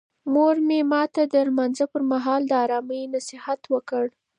مور مې ماته د لمانځه پر مهال د آرامۍ نصیحت وکړ.